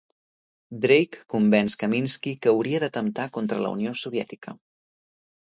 Drake convenç Kaminsky que hauria d'atemptar contra la Unió Soviètica.